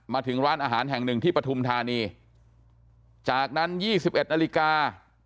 มาถึงร้านอาหารแห่งหนึ่งที่ปฐุมธานีจากนั้น๒๑นาฬิกา